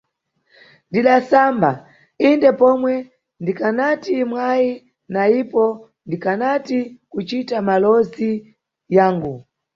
Ndidasamba, inde, pomwe ndikanati mwayi na ipo ndikanati kucita malowozi yangu.